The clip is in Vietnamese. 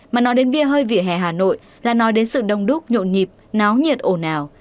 mà nói đến bia hơi vỉa hè hà nội là nói đến sự đông đúc nhộn nhịp náo nhiệt ồn ào